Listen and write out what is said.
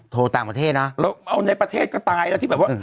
ต่างประเทศนะแล้วเอาในประเทศก็ตายแล้วที่แบบว่า